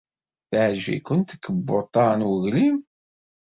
Teɛjeb-ikem tkebbuḍt-a n weglim?